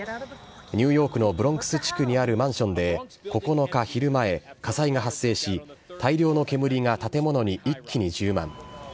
ニューヨークのブロンクス地区にあるマンションで、９日昼前、火災が発生し、大量の煙が建物に一気に充満。